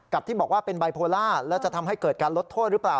ที่บอกว่าเป็นไบโพล่าแล้วจะทำให้เกิดการลดโทษหรือเปล่า